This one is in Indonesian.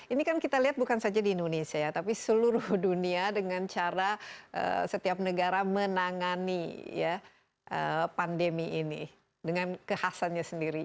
ini kan kita lihat bukan saja di indonesia ya tapi seluruh dunia dengan cara setiap negara menangani pandemi ini dengan kekhasannya sendiri